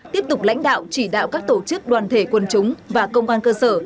tiếp tục lãnh đạo chỉ đạo các tổ chức đoàn thể quân chúng và công an cơ sở